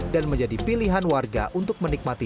menjadi pilihan warga untuk menikmati